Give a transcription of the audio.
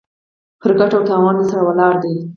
پر ګټه و تاوان درسره ولاړ دی.